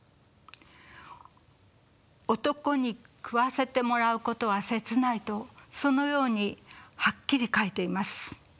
「男に食わせてもらうことは切ない」とそのようにはっきり書いています。